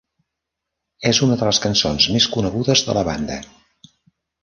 És una de les cançons més conegudes de la banda.